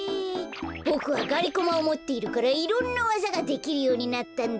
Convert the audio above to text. ボクはがりコマをもっているからいろんなわざができるようになったんだ。